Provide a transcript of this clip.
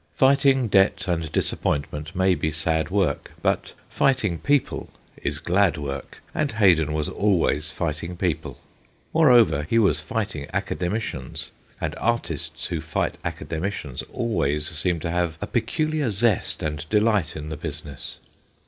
Fighting debt and disappointment may be sad work, but fighting people is glad work, and Haydon was always fighting people. Moreover, he was fighting Academicians, and artists who fight Academicians always seem to have a peculiar zest and delight in the business.